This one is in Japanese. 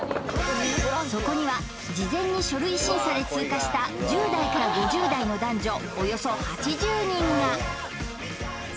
そこには事前に書類審査で通過した１０代から５０代の男女